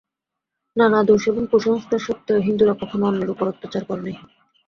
নানা দোষ এবং কুসংস্কার সত্ত্বেও হিন্দুরা কখনও অন্যের উপর অত্যাচার করে নাই।